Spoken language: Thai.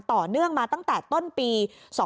ต่อเนื่องมาตั้งแต่ต้นปี๒๕๖